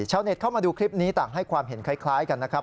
เข้ามาดูคลิปนี้ต่างให้ความเห็นคล้ายกันนะครับ